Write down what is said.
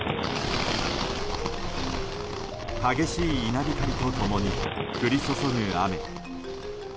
激しい稲光と共に、降り注ぐ雨。